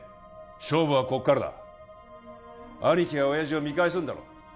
勝負はこっからだ兄貴や親父を見返すんだろ？